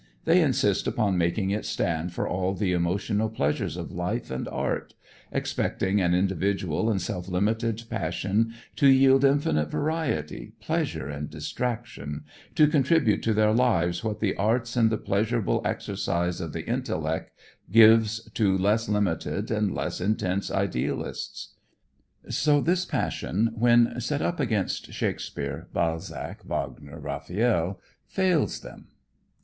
They insist upon making it stand for all the emotional pleasures of life and art, expecting an individual and self limited passion to yield infinite variety, pleasure and distraction, to contribute to their lives what the arts and the pleasurable exercise of the intellect gives to less limited and less intense idealists. So this passion, when set up against Shakespeare, Balzac, Wagner, Raphael, fails them.